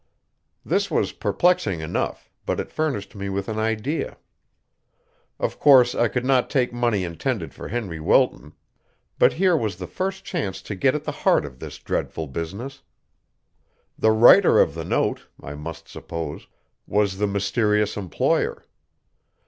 This was perplexing enough, but it furnished me with an idea. Of course I could not take money intended for Henry Wilton. But here was the first chance to get at the heart of this dreadful business. The writer of the note, I must suppose, was the mysterious employer.